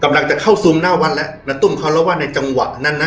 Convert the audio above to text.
กำลังจะเข้าซูมหน้าวัดแล้วแล้วตุ้มเขาแล้วว่าในจังหวะนั้นนะ